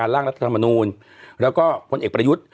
แล้วก็พลเอกประยุทธ์